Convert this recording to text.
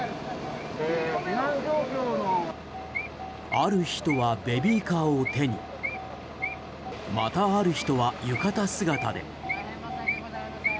ある人はベビーカーを手にまた、ある人は浴衣姿で。